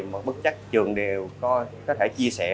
mà bất chắc trường đều có thể chia sẻ